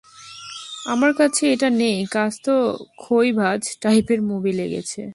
আমার কাছে এটা নেই কাজ তো খই ভাজ টাইপের মুভি লেগেছে।